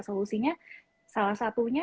solusinya salah satunya